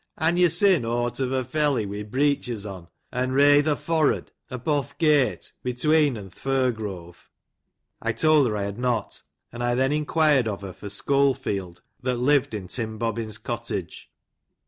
"'" Han yo sin aught ov o felley wi breechuz on, un ray thcr forrud, oppo th' gate, between an th' Fir Grove '.'" I told her I had not ; and I then enquired of her for Scholefield that lived in Tim Bobbin's cottage.